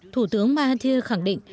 thủ tướng mahathir khẳng định